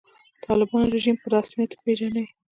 د طالبانو رژیم په رسمیت وپېژني.